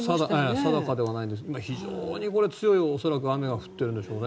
定かではないですが非常に強い雨が恐らく降っているんでしょうね。